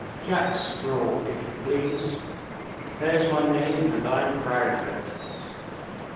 'Jack Straw,' if you please. There's my name, and I am proud of it.